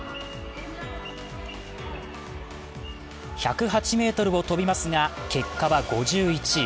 １０８ｍを飛びますが結果は５１位。